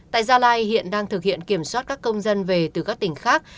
tại gia lai hiện đang thực hiện kiểm soát các công dân về từ các tỉnh khác